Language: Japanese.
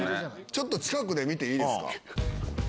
ちょっと近くで見ていいですか？